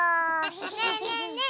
ねえねえねえ